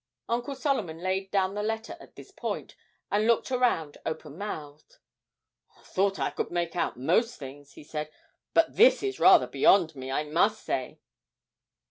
Uncle Solomon laid down the letter at this point, and looked around open mouthed: 'I thought I could make out most things,' he said; 'but this is rather beyond me, I must say.'